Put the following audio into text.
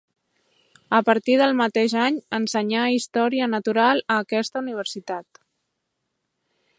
A partir del mateix any ensenyà història natural a aquesta universitat.